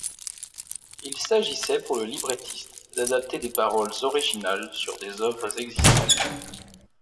Il s'agissait pour le librettiste d'adapter des paroles originales sur des œuvres existantes.